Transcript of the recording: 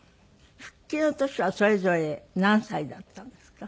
復帰の年はそれぞれ何歳だったんですか？